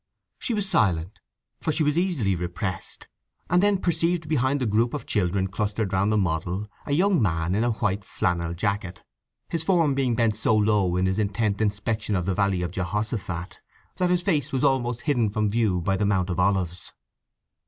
She was silent, for she was easily repressed; and then perceived behind the group of children clustered round the model a young man in a white flannel jacket, his form being bent so low in his intent inspection of the Valley of Jehoshaphat that his face was almost hidden from view by the Mount of Olives.